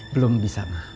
belum bisa ma